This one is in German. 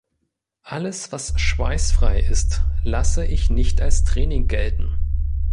Alles, was schweißfrei ist, lasse ich nicht als Training gelten.